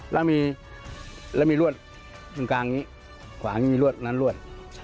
แล้วมีรวดตรงกลางนี้ขวางนี้มีรวดตรงนั้นรวด